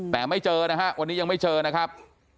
แต่ไม่เจอนะฮะวันนี้ยังไม่เจอนะครับ